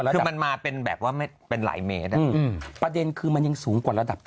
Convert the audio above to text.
แต่ก็ยังสูงยังสูงกว่าระดับ